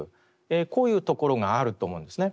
こういうところがあると思うんですね。